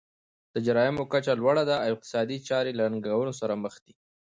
د جرایمو کچه لوړه ده او اقتصادي چارې له ننګونو سره مخ دي.